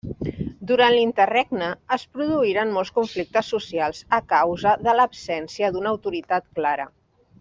Durant l'interregne es produïren molts conflictes socials a causa de l'absència d'una autoritat clara.